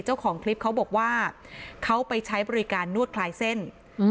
เจ้าของคลิปเขาบอกว่าเขาไปใช้บริการนวดคลายเส้นอืม